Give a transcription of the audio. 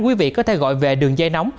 quý vị có thể gọi về đường dây nóng